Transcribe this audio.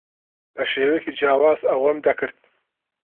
بە شێوەیەکی جیاواز ئەوەم دەکرد.